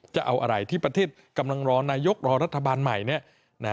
จะเอาอะไรที่ประเทศกำลังรอนายกรอรัฐบาลใหม่